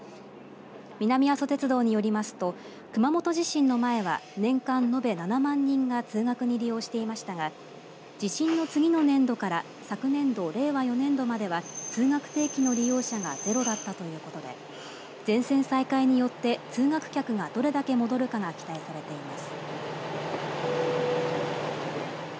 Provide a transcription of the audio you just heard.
南阿蘇鉄道によりますと熊本地震の前は年間延べ７万人が通学に利用していましたが地震の次の年度から昨年度令和４年度までは通学定期の利用者がゼロだったということで全線再開によって通学客がどれだけ戻るかが期待されています。